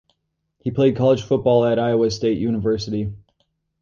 He played college football at Iowa State University.